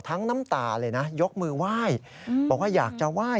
น้ำตาเลยนะยกมือไหว้บอกว่าอยากจะไหว้